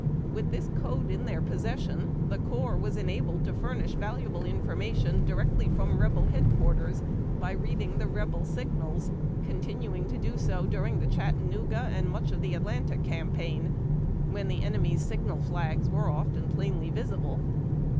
With this code in their possession, the corps was enabled to furnish valuable information directly from Rebel headquarters, by reading the Rebel signals, continuing to do so during the Chattanooga and mucli of the Atlanta cam paign, when the enemy's signal flags were often plainly visible.